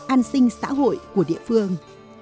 an sinh xã hội của địa phương